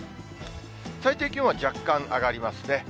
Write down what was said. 最低気温若干上がりますね。